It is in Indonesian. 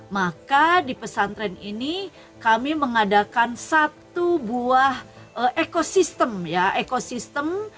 maka di pesantren ini kami mengadakan satu buah ekosistem ya ekosistem